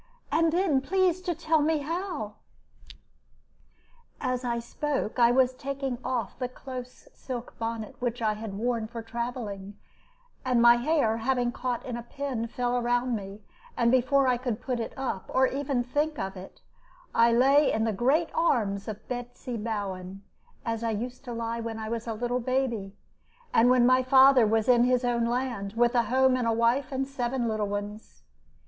And then please to tell me how." As I spoke I was taking off the close silk bonnet which I had worn for travelling, and my hair, having caught in a pin, fell round me, and before I could put it up, or even think of it, I lay in the great arms of Betsy Bowen, as I used to lie when I was a little baby, and when my father was in his own land, with a home and wife and seven little ones.